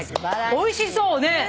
おいしそうね！